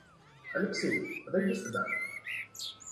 Алексей, подойди сюда.